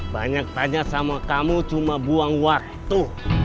banyak tanya sama kamu cuma buang waktu